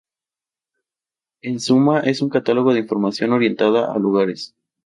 En suma, es un catálogo de información orientada a lugares.